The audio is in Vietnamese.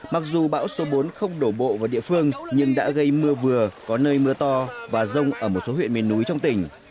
mặc dù bão số bốn không đổ bộ vào địa phương nhưng đã gây mưa vừa có nơi mưa to và rông ở một số huyện miền núi trong tỉnh